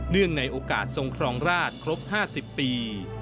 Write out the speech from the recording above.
ในโอกาสทรงครองราชครบ๕๐ปี